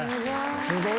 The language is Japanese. すごい。